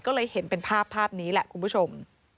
ก็เลยเห็นเป็นภาพภาพนี้แหละคุณผู้ชม